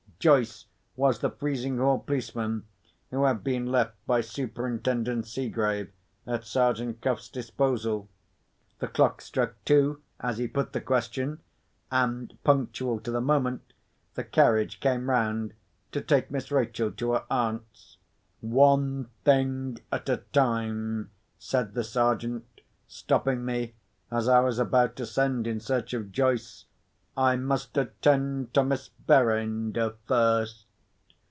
Joyce was the Frizinghall policeman, who had been left by Superintendent Seegrave at Sergeant Cuff's disposal. The clock struck two, as he put the question; and, punctual to the moment, the carriage came round to take Miss Rachel to her aunt's. "One thing at a time," said the Sergeant, stopping me as I was about to send in search of Joyce. "I must attend to Miss Verinder first."